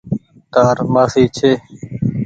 تآر مآسي ڇي۔